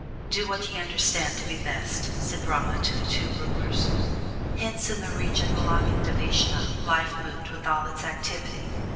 "Do what ye understand to be best," said Brahma to the two rulers. Hence in the region belonging to Vishnu life moved with all its activity.